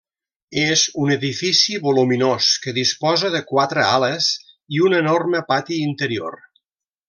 És un edifici voluminós que disposa de quatre ales i un enorme pati interior.